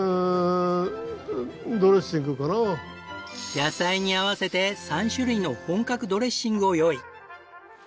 野菜に合わせて３種類の本格ドレッシングを用意。